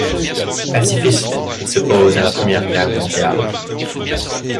Pacifiste, elle s'oppose à la Première Guerre mondiale.